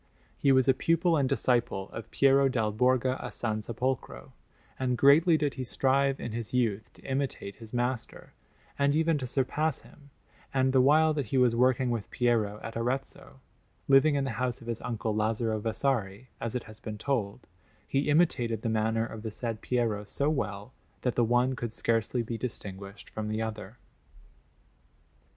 He was a pupil and disciple of Piero dal Borgo a San Sepolcro, and greatly did he strive in his youth to imitate his master, and even to surpass him; and the while that he was working with Piero at Arezzo, living in the house of his uncle Lazzaro Vasari, as it has been told, he imitated the manner of the said Piero so well that the one could scarcely be distinguished from the other.